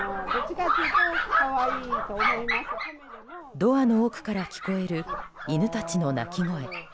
ドアの奥から聞こえる犬たちの鳴き声。